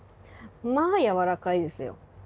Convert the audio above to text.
まあやわらかいですよ。